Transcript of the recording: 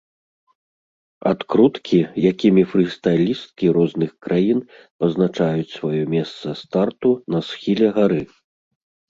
Адкруткі, якімі фрыстайлісткі розных краін пазначаюць сваё месца старту на схіле гары.